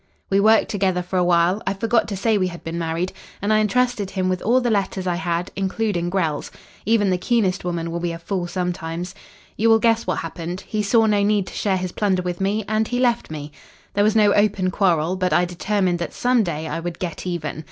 "We worked together for a while I forgot to say we had been married and I entrusted him with all the letters I had including Grell's. Even the keenest woman will be a fool sometimes. You will guess what happened. He saw no need to share his plunder with me, and he left me. There was no open quarrel, but I determined that some day I would get even.